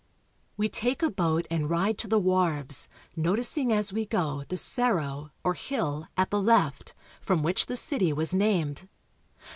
We take a boat and ride to the wharves, noticing as we go the Cerro, or hill, at the left, from which the city was named.